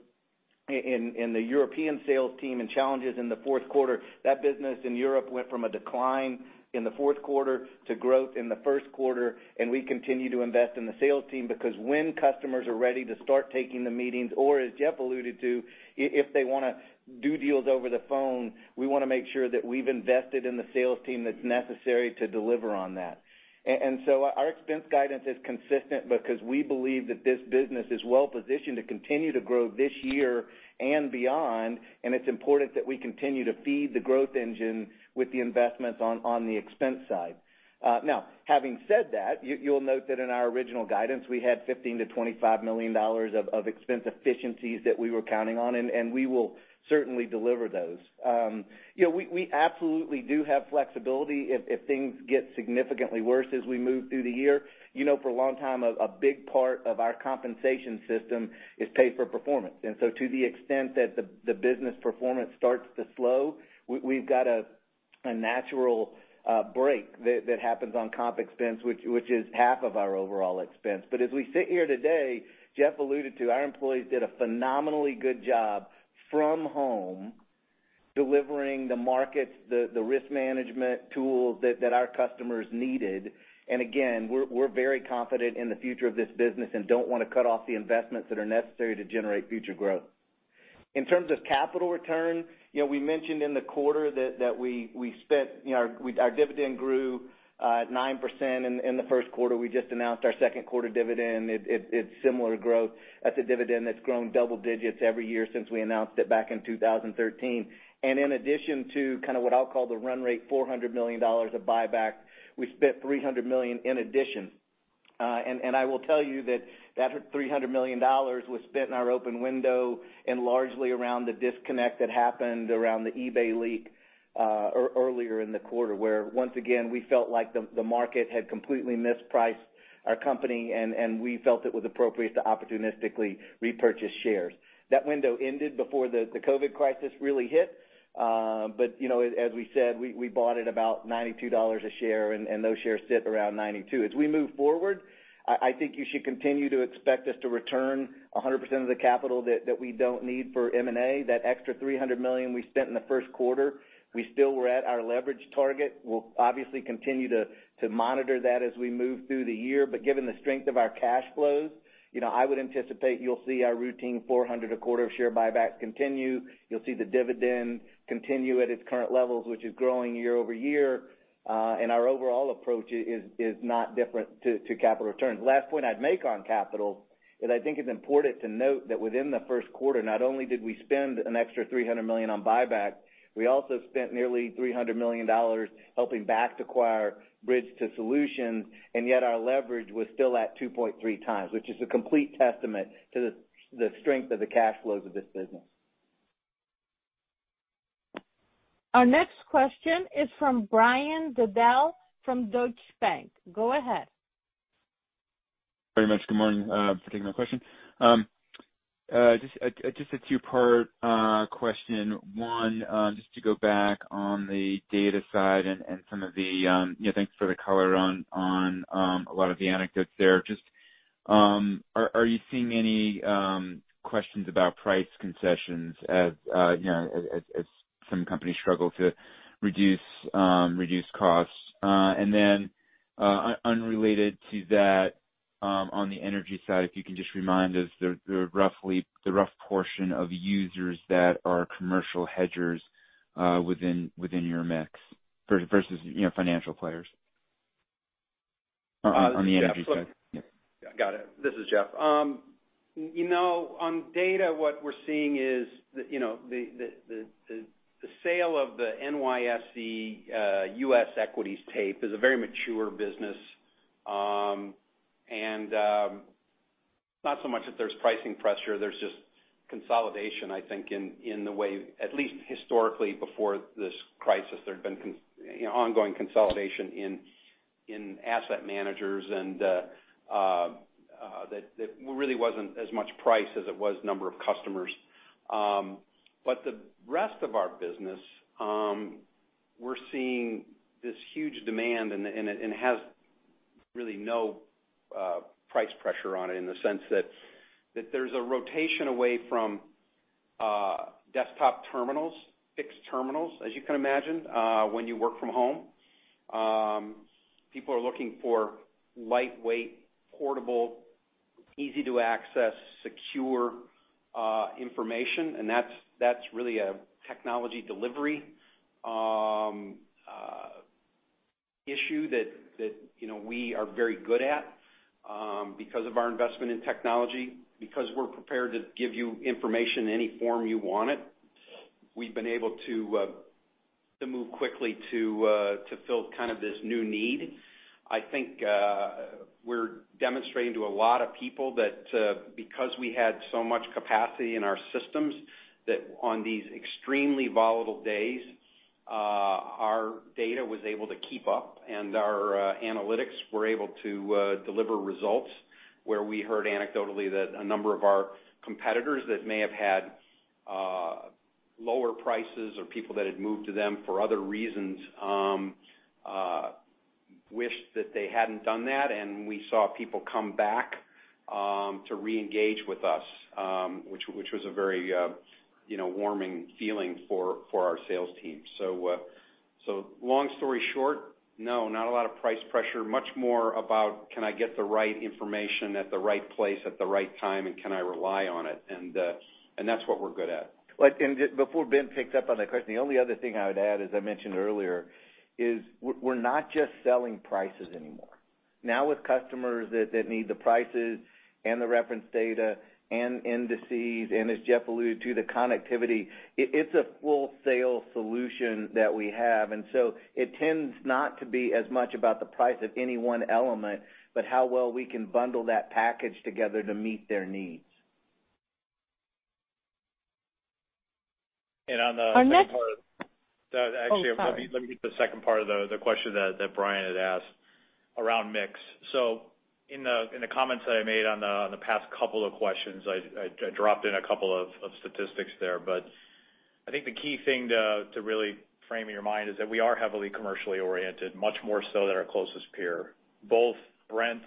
Speaker 3: In the European sales team and challenges in the fourth quarter, that business in Europe went from a decline in the fourth quarter to growth in the first quarter, and we continue to invest in the sales team because when customers are ready to start taking the meetings, or as Jeff alluded to, if they want to do deals over the phone, we want to make sure that we've invested in the sales team that's necessary to deliver on that. Our expense guidance is consistent because we believe that this business is well-positioned to continue to grow this year and beyond, and it's important that we continue to feed the growth engine with the investments on the expense side. Having said that, you'll note that in our original guidance, we had $15 million-$25 million of expense efficiencies that we were counting on, and we will certainly deliver those. We absolutely do have flexibility if things get significantly worse as we move through the year. For a long time, a big part of our compensation system is pay for performance. To the extent that the business performance starts to slow, we've got a natural break that happens on comp expense, which is half of our overall expense. As we sit here today, Jeff alluded to, our employees did a phenomenally good job from home delivering the markets the risk management tools that our customers needed. Again, we're very confident in the future of this business and don't want to cut off the investments that are necessary to generate future growth. In terms of capital return, we mentioned in the quarter that our dividend grew at 9% in the first quarter. We just announced our second quarter dividend. It's similar growth. That's a dividend that's grown double digits every year since we announced it back in 2013. In addition to kind of what I'll call the run rate, $400 million of buyback, we spent $300 million in addition. I will tell you that that $300 million was spent in our open window and largely around the disconnect that happened around the eBay leak earlier in the quarter, where once again, we felt like the market had completely mispriced our company, and we felt it was appropriate to opportunistically repurchase shares. That window ended before the COVID crisis really hit. As we said, we bought at about $92 a share, and those shares sit around 92. As we move forward, I think you should continue to expect us to return 100% of the capital that we don't need for M&A. That extra $300 million we spent in the first quarter, we still were at our leverage target. We'll obviously continue to monitor that as we move through the year, but given the strength of our cash flows, I would anticipate you'll see our routine $400 million a quarter of share buybacks continue. You'll see the dividend continue at its current levels, which is growing year-over-year. Our overall approach is not different to capital returns. The last point I'd make on capital is I think it's important to note that within the first quarter, not only did we spend an extra $300 million on buyback, we also spent nearly $300 million helping Bakkt to acquire Bridge2 Solutions, yet our leverage was still at 2.3 times, which is a complete testament to the strength of the cash flows of this business.
Speaker 1: Our next question is from Brian Bedell from Deutsche Bank. Go ahead.
Speaker 10: Very much. Good morning. Thanks for taking my question. Just a two-part question. One, just to go back on the data side and thanks for the color on a lot of the anecdotes there. Are you seeing any questions about price concessions as some companies struggle to reduce costs? Unrelated to that, on the energy side, if you can just remind us the rough portion of users that are commercial hedgers within your mix versus financial players on the energy side.
Speaker 4: Yeah. Got it. This is Jeff. On data, what we're seeing is the sale of the NYSE U.S. equities tape is a very mature business. Not so much that there's pricing pressure, there's just consolidation, I think, in the way, at least historically, before this crisis, there'd been ongoing consolidation in asset managers, and that really wasn't as much price as it was number of customers. The rest of our business, we're seeing this huge demand, and it has really no price pressure on it in the sense that there's a rotation away from desktop terminals, fixed terminals, as you can imagine when you work from home. People are looking for lightweight, portable, easy-to-access, secure information, and that's really a technology delivery issue that we are very good at because of our investment in technology, because we're prepared to give you information any form you want it. We've been able to move quickly to fill kind of this new need. I think we're demonstrating to a lot of people that because we had so much capacity in our systems, that on these extremely volatile days, our data was able to keep up, and our analytics were able to deliver results where we heard anecdotally that a number of our competitors that may have had lower prices or people that had moved to them for other reasons. Wished that they hadn't done that. We saw people come back, to re-engage with us, which was a very warming feeling for our sales team. Long story short, no, not a lot of price pressure. Much more about can I get the right information at the right place at the right time, and can I rely on it? That's what we're good at.
Speaker 3: Before Ben picks up on that question, the only other thing I would add, as I mentioned earlier, is we're not just selling prices anymore. Now with customers that need the prices and the reference data and indices, and as Jeff alluded to, the connectivity, it's a full sales solution that we have. It tends not to be as much about the price of any one element, but how well we can bundle that package together to meet their needs.
Speaker 6: And on the-
Speaker 1: Our next-
Speaker 6: Actually, let me get the second part of the question that Brian had asked around mix. In the comments that I made on the past couple of questions, I dropped in a couple of statistics there. I think the key thing to really frame in your mind is that we are heavily commercially oriented, much more so than our closest peer. Both Brent,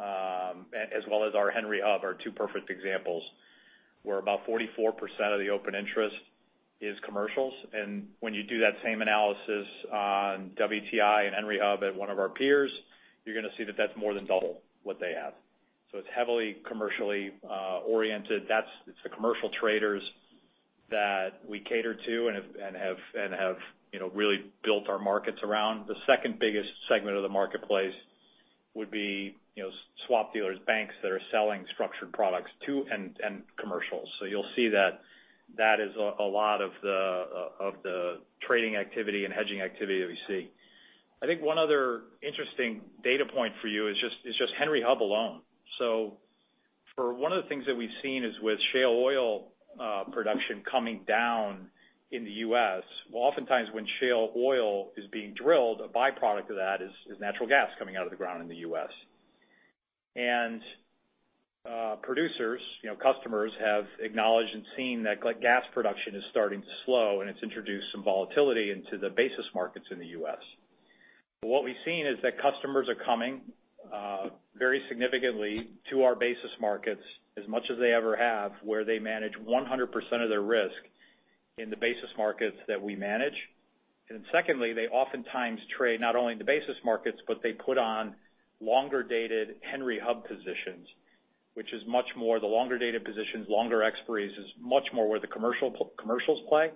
Speaker 6: as well as our Henry Hub are two perfect examples, where about 44% of the open interest is commercials, and when you do that same analysis on WTI and Henry Hub at one of our peers, you're going to see that that's more than double what they have. It's heavily commercially oriented. It's the commercial traders that we cater to and have really built our markets around. The second biggest segment of the marketplace would be swap dealers, banks that are selling structured products too, and commercials. You'll see that that is a lot of the trading activity and hedging activity that we see. I think one other interesting data point for you is just Henry Hub alone. For one of the things that we've seen is with shale oil production coming down in the U.S., well, oftentimes when shale oil is being drilled, a byproduct of that is natural gas coming out of the ground in the U.S. Producers, customers have acknowledged and seen that gas production is starting to slow, and it's introduced some volatility into the basis markets in the U.S. What we've seen is that customers are coming, very significantly, to our basis markets as much as they ever have, where they manage 100% of their risk in the basis markets that we manage. Secondly, they oftentimes trade not only in the basis markets, but they put on longer dated Henry Hub positions, which is much more the longer dated positions, longer expiries, is much more where the commercials play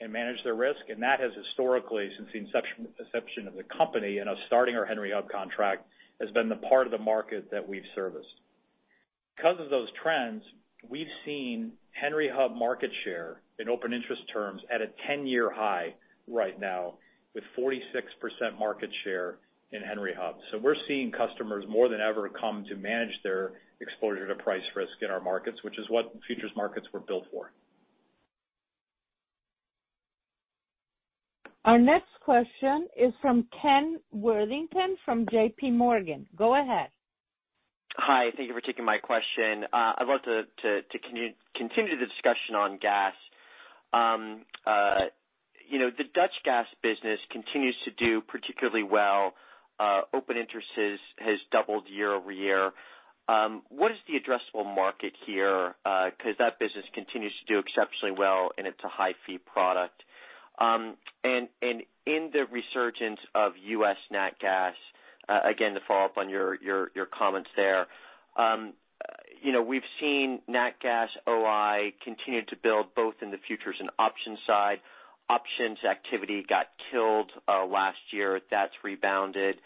Speaker 6: and manage their risk. That has historically, since the inception of the company and of starting our Henry Hub contract, has been the part of the market that we've serviced. Because of those trends, we've seen Henry Hub market share in open interest terms at a 10-year high right now with 46% market share in Henry Hub. We're seeing customers more than ever come to manage their exposure to price risk in our markets, which is what futures markets were built for.
Speaker 1: Our next question is from Ken Worthington from JPMorgan. Go ahead.
Speaker 11: Hi. Thank you for taking my question. I'd love to continue the discussion on gas. The Dutch gas business continues to do particularly well. Open interest has doubled year-over-year. What is the addressable market here? Because that business continues to do exceptionally well, and it's a high-fee product. In the resurgence of U.S. natural gas, again, to follow up on your comments there. We've seen natural gas OI continue to build both in the futures and options side. Options activity got killed last year. That's rebounded.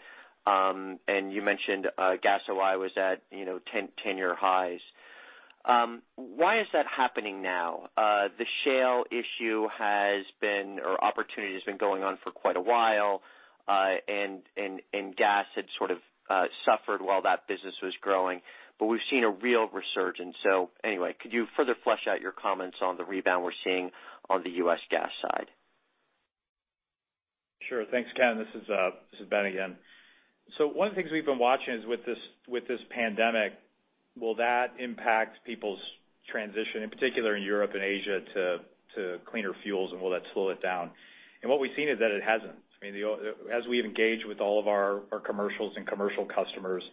Speaker 11: You mentioned gas OI was at 10-year highs. Why is that happening now? The shale issue has been, or opportunity has been going on for quite a while, and gas had sort of suffered while that business was growing, but we've seen a real resurgence. Anyway, could you further flesh out your comments on the rebound we're seeing on the U.S. gas side?
Speaker 6: Sure. Thanks, Ken. This is Ben again. One of the things we've been watching is with this pandemic, will that impact people's transition, in particular in Europe and Asia, to cleaner fuels and will that slow it down? What we've seen is that it hasn't. As we've engaged with all of our commercials and commercial customers,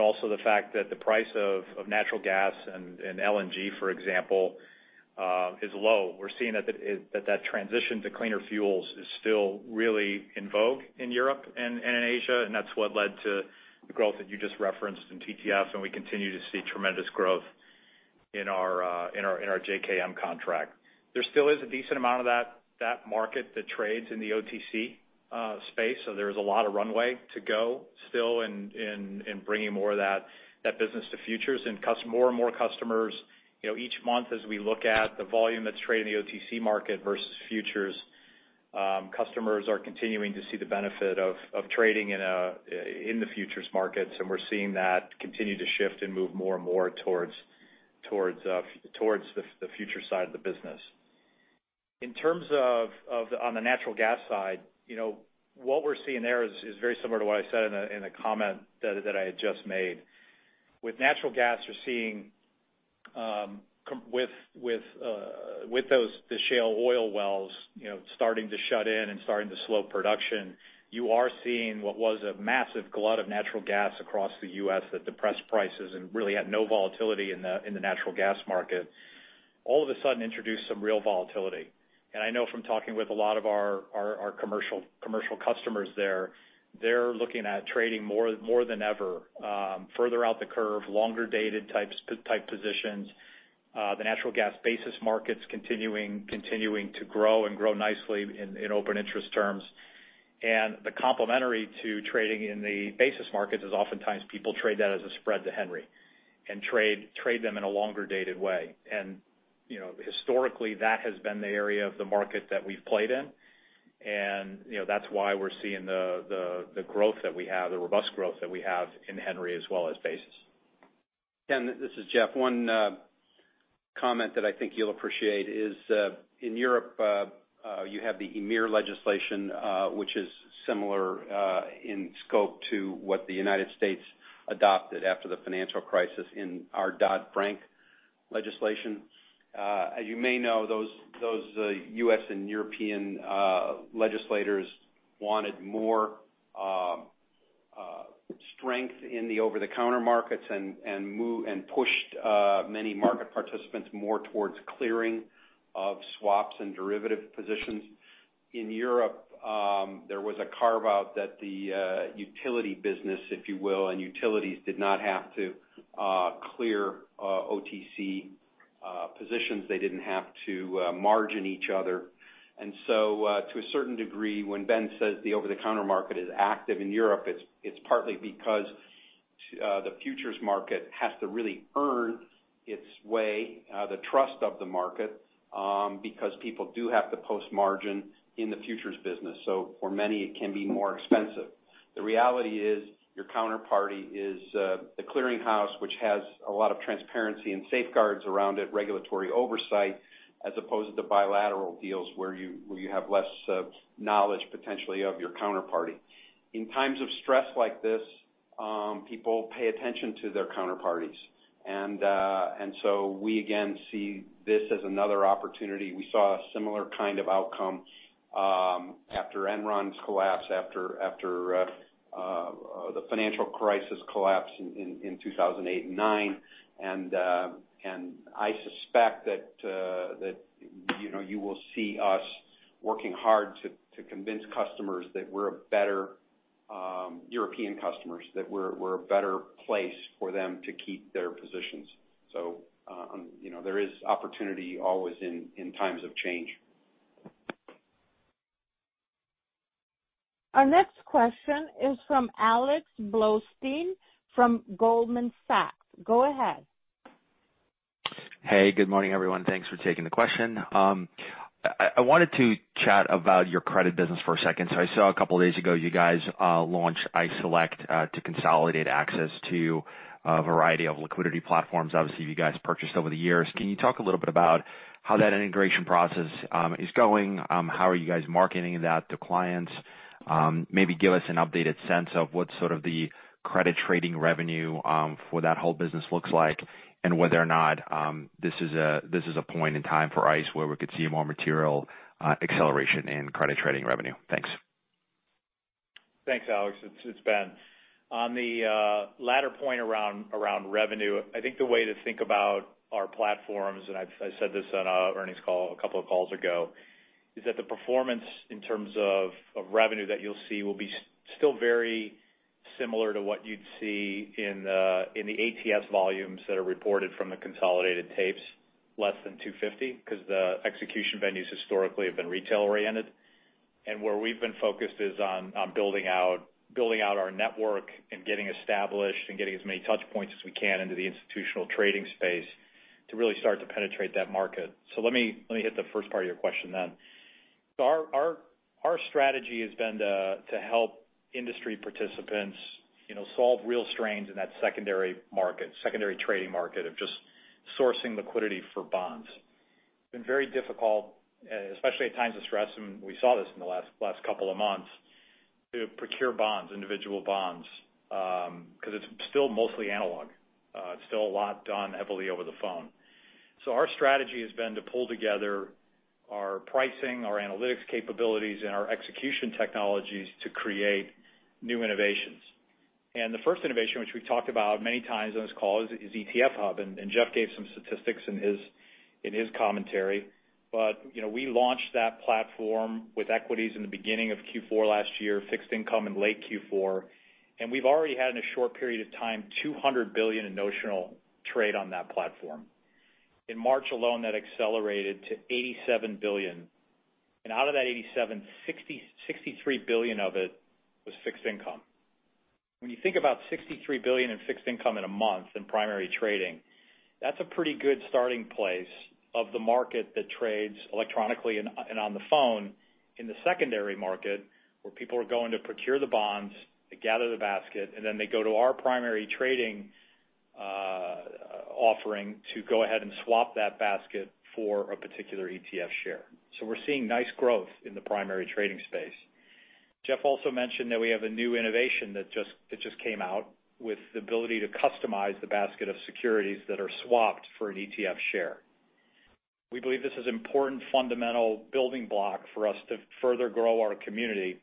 Speaker 6: also the fact that the price of natural gas and LNG, for example, is low, we're seeing that that transition to cleaner fuels is still really in vogue in Europe and in Asia, that's what led to the growth that you just referenced in TTFs, we continue to see tremendous growth in our JKM contract. There still is a decent amount of that market that trades in the OTC space. There is a lot of runway to go still in bringing more of that business to futures and more and more customers each month as we look at the volume that's traded in the OTC market versus futures. Customers are continuing to see the benefit of trading in the futures markets, and we're seeing that continue to shift and move more and more towards the futures side of the business. In terms of on the natural gas side, what we're seeing there is very similar to what I said in the comment that I had just made. With natural gas, you're seeing the shale oil wells starting to shut in and starting to slow production, you are seeing what was a massive glut of natural gas across the U.S. that depressed prices and really had no volatility in the natural gas market. All of a sudden, introduced some real volatility. I know from talking with a lot of our commercial customers there, they're looking at trading more than ever, further out the curve, longer-dated type positions. The natural gas basis market's continuing to grow and grow nicely in open interest terms. The complementary to trading in the basis markets is oftentimes people trade that as a spread to Henry and trade them in a longer-dated way. Historically, that has been the area of the market that we've played in. That's why we're seeing the growth that we have, the robust growth that we have in Henry as well as basis.
Speaker 4: Ken, this is Jeff. One comment that I think you'll appreciate is, in Europe, you have the EMIR legislation, which is similar in scope to what the U.S. adopted after the financial crisis in our Dodd-Frank legislation. As you may know, those U.S. and European legislators wanted more strength in the over-the-counter markets, pushed many market participants more towards clearing of swaps and derivative positions. In Europe, there was a carve-out that the utility business, if you will, utilities did not have to clear OTC positions. They didn't have to margin each other. To a certain degree, when Ben says the over-the-counter market is active in Europe, it's partly because the futures market has to really earn its way, the trust of the market, because people do have to post margin in the futures business. For many, it can be more expensive. The reality is your counterparty is the clearing house, which has a lot of transparency and safeguards around it, regulatory oversight, as opposed to bilateral deals where you have less knowledge, potentially, of your counterparty. In times of stress like this, people pay attention to their counterparties. We, again, see this as another opportunity. We saw a similar kind of outcome after Enron's collapse, after the financial crisis collapse in 2008 and 2009. I suspect that you will see us working hard to convince European customers that we're a better place for them to keep their positions. There is opportunity always in times of change.
Speaker 1: Our next question is from Alex Blostein from Goldman Sachs. Go ahead.
Speaker 12: Hey, good morning, everyone. Thanks for taking the question. I wanted to chat about your credit business for a second. I saw a couple of days ago, you guys launched ICE Select to consolidate access to a variety of liquidity platforms, obviously, you guys purchased over the years. Can you talk a little bit about how that integration process is going? How are you guys marketing that to clients? Maybe give us an updated sense of what sort of the credit trading revenue for that whole business looks like, and whether or not this is a point in time for ICE where we could see more material acceleration in credit trading revenue. Thanks.
Speaker 6: Thanks, Alex. It's Ben. On the latter point around revenue, I think the way to think about our platforms, and I said this on our earnings call a couple of calls ago, is that the performance in terms of revenue that you'll see will be still very similar to what you'd see in the ATS volumes that are reported from the consolidated tapes, less than 250, because the execution venues historically have been retail-oriented. Where we've been focused is on building out our network and getting established and getting as many touchpoints as we can into the institutional trading space to really start to penetrate that market. Let me hit the first part of your question, then. Our strategy has been to help industry participants solve real strains in that secondary trading market of just sourcing liquidity for bonds. It's been very difficult, especially at times of stress, and we saw this in the last couple of months, to procure bonds, individual bonds, because it's still mostly analog. It's still a lot done heavily over the phone. Our strategy has been to pull together our pricing, our analytics capabilities, and our execution technologies to create new innovations. The first innovation, which we've talked about many times on this call, is ETF Hub. Jeff gave some statistics in his commentary. We launched that platform with equities in the beginning of Q4 last year, fixed income in late Q4. We've already had, in a short period of time, $200 billion in notional trade on that platform. In March alone, that accelerated to $87 billion. Out of that $87 billion, $63 billion of it was fixed income. When you think about $63 billion in fixed income in a month in primary trading, that's a pretty good starting place of the market that trades electronically and on the phone in the secondary market, where people are going to procure the bonds, they gather the basket, and then they go to our primary trading offering to go ahead and swap that basket for a particular ETF share. We're seeing nice growth in the primary trading space. Jeff also mentioned that we have a new innovation that just came out with the ability to customize the basket of securities that are swapped for an ETF share. We believe this is important fundamental building block for us to further grow our community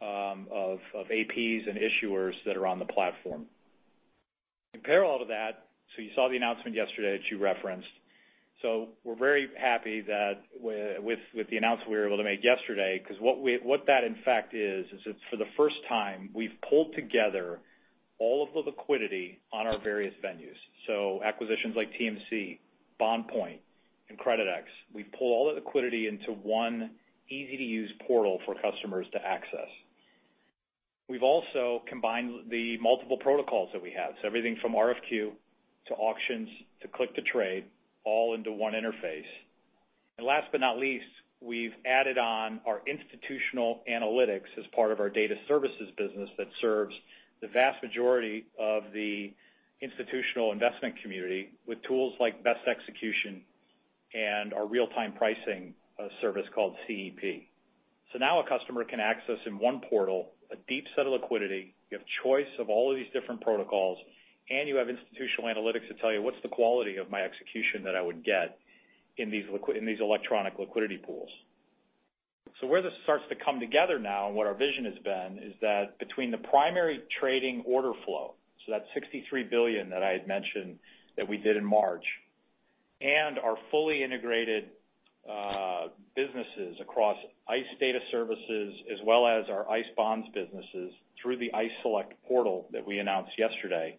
Speaker 6: of APs and issuers that are on the platform. In parallel to that, you saw the announcement yesterday that you referenced. We're very happy with the announcement we were able to make yesterday, because what that in fact is it's for the first time we've pulled together all of the liquidity on our various venues. Acquisitions like TMC, BondPoint, and Creditex. We've pulled all the liquidity into one easy-to-use portal for customers to access. We've also combined the multiple protocols that we have. Everything from RFQ to auctions to click to trade, all into one interface. Last but not least, we've added on our institutional analytics as part of our ICE data services business that serves the vast majority of the institutional investment community with tools like best execution and our real-time pricing service called CEP. Now a customer can access in one portal a deep set of liquidity, you have choice of all of these different protocols, and you have institutional analytics to tell you what's the quality of my execution that I would get in these electronic liquidity pools. Where this starts to come together now and what our vision has been is that between the primary trading order flow, that's $63 billion that I had mentioned that we did in March, and our fully integrated businesses across ICE data services as well as our ICE Bonds businesses through the ICE Select portal that we announced yesterday.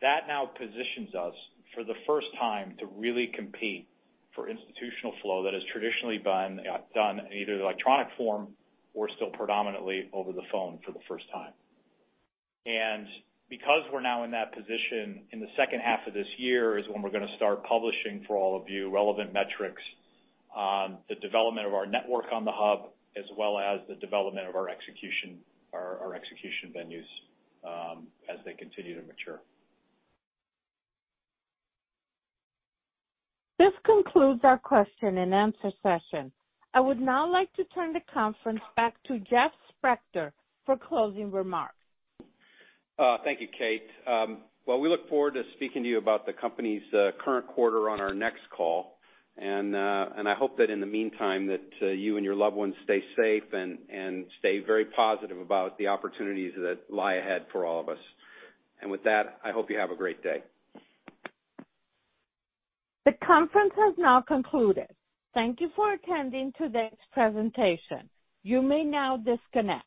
Speaker 6: That now positions us for the first time to really compete for institutional flow that has traditionally been done in either electronic form or still predominantly over the phone for the first time. Because we're now in that position, in the second half of this year is when we're going to start publishing for all of you relevant metrics on the development of our network on the hub as well as the development of our execution venues as they continue to mature.
Speaker 1: This concludes our question and answer session. I would now like to turn the conference back to Jeff Sprecher for closing remarks.
Speaker 4: Thank you, Kate. Well, we look forward to speaking to you about the company's current quarter on our next call, and I hope that in the meantime that you and your loved ones stay safe and stay very positive about the opportunities that lie ahead for all of us. With that, I hope you have a great day.
Speaker 1: The conference has now concluded. Thank you for attending today's presentation. You may now disconnect.